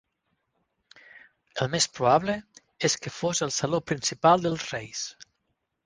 El més probable és que fos el saló principal dels reis.